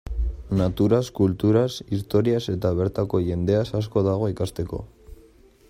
Naturaz, kulturaz, historiaz, eta bertako jendeaz asko dago ikasteko.